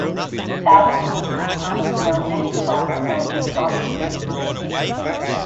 Thousands of people come and there are many stalls selling exotic food and merchandise.